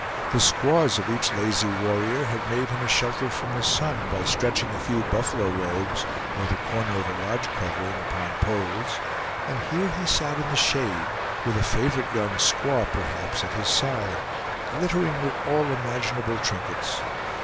The squaws of each lazy warrior had made him a shelter from the sun, by stretching a few buffalo robes, or the corner of a lodge covering upon poles; and here he sat in the shade, with a favorite young squaw, perhaps, at his side, glittering with all imaginable trinkets.